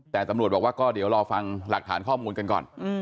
แต่ตำรวจบอกว่าก็เดี๋ยวรอฟังหลักฐานข้อมูลกันก่อน